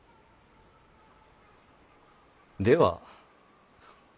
では